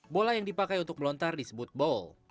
bola yang dipakai untuk melontar disebut ball